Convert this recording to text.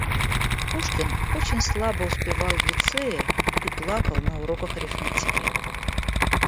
Пушкин очень слабо успевал в Лицее и плакал на уроках арифметики.